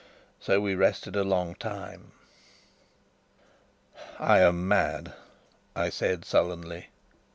So we rested a long time. "I am mad!" I said sullenly.